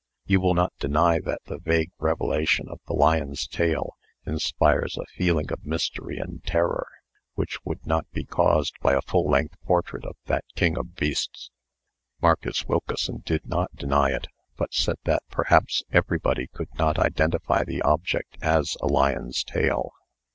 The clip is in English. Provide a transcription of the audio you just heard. You will not deny that that vague revelation of the lion's tail inspires a feeling of mystery and terror, which would not be caused by a full length portrait of that king of beasts?" Marcus Wilkeson did not deny it, but said that perhaps everybody could not identify the object as a lion's tail.